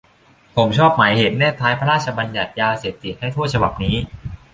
ผมชอบหมายเหตุแนบท้ายพระราชบัญญัติยาเสพติดให้โทษฉบับนี้